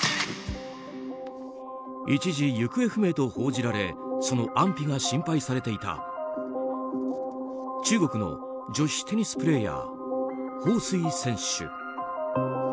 一時、行方不明と報じられその安否が心配されていた中国の女子テニスプレーヤーホウ・スイ選手。